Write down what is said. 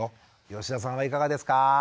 吉田さんはいかがですか？